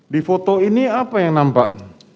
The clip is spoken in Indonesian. di foto ini apa yang nampak